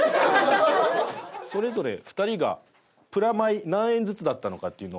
それぞれ２人がプラマイ何円ずつだったのかっていうのを。